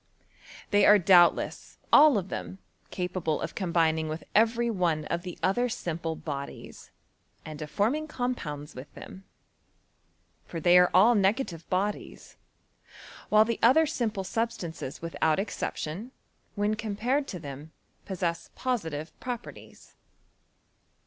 They are doubtless all of them capable of combining with every one of the other simple bodies, and of t2 2(76 HISTORY or CHEMISTRY. forming compounds with them. For they are all negative bodies ; while the other simple substances wi&out exception, when compared to them, possess poiitive properties.